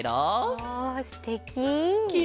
わあすてき。